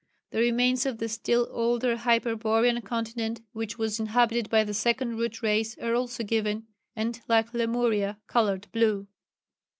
The remains of the still older Hyperborean continent which was inhabited by the Second Root Race, are also given, and like Lemuria, coloured blue.